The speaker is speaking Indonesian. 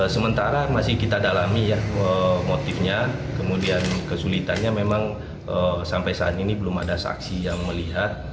sementara masih kita dalami ya motifnya kemudian kesulitannya memang sampai saat ini belum ada saksi yang melihat